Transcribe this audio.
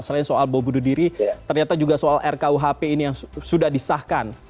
selain soal bom bunuh diri ternyata juga soal rkuhp ini yang sudah disahkan